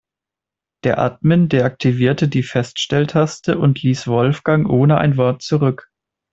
Der Admin deaktivierte die Feststelltaste und ließ Wolfgang ohne ein Wort zurück.